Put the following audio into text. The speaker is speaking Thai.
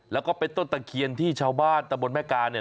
แล้วก็เป็นต้นตะเคียนที่ชาวบ้านตะบนแม่กาเนี่ย